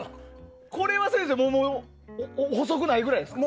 これは先生補足がないぐらいですか。